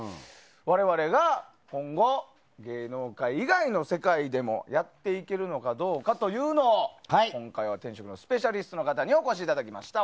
我々が今後芸能界以外の世界でもやっていけるのかどうかというのを今回は転職のスペシャリストの方にお越しいただきました。